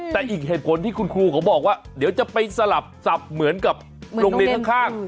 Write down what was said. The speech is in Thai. แต่อีกเหตุผลที่คุณครูเขาบอกว่าเดี๋ยวจะไปสลับสับเหมือนกับโรงเรียนข้าง